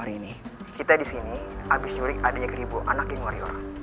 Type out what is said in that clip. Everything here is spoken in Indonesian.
hari ini kita disini abis nyurik adik ribu anak geng warior